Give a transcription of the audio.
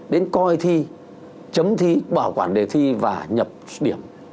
đến coi thi chấm thi bảo quản đề thi và nhập điểm